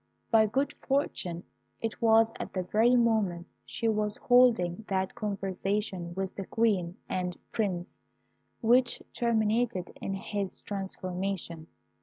By good fortune, it was at the very moment she was holding that conversation with the Queen and Prince which terminated in his transformation.